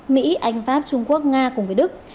mỹ anh pháp trung quốc nga cùng với đức